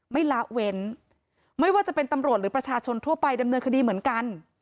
ละเว้นไม่ว่าจะเป็นตำรวจหรือประชาชนทั่วไปดำเนินคดีเหมือนกัน